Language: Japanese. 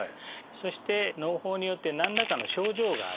そしてのう胞によって何らかの症状がある。